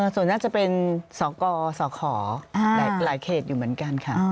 ส่วนน่าจะเป็นสกสขหลายเขตอยู่เหมือนกันค่ะ